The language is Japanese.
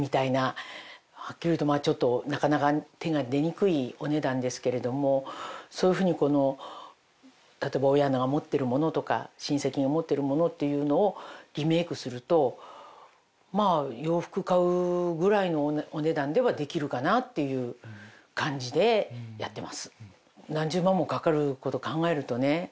はっきり言うとちょっとなかなか手が出にくいお値段ですけれどもそういう風にこの例えば親が持ってるものとか親戚が持ってるものっていうのをリメイクするとまあ洋服買うぐらいのお値段ではできるかなっていう感じでやってます。